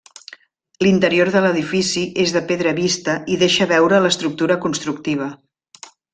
L'interior de l'edifici és de pedra vista i deixa veure l'estructura constructiva.